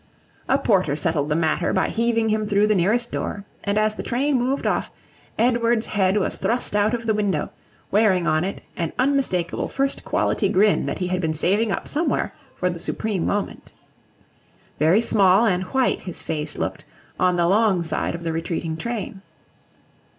A porter settled the matter by heaving him through the nearest door; and as the train moved off, Edward's head was thrust out of the window, wearing on it an unmistakable first quality grin that he had been saving up somewhere for the supreme moment. Very small and white his face looked, on the long side of the retreating train.